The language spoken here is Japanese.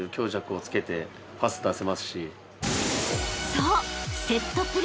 ［そう］